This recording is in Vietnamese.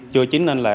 chưa chín nên là